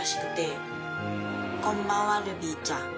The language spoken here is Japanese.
こんばんはルビーちゃん。